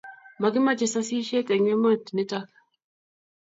makimache sasishet eng emet nitok